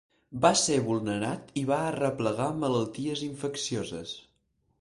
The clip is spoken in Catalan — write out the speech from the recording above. Va ser vulnerat i va arreplegar malalties infeccioses.